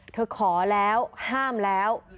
ขอแล้วห้ามแล้ว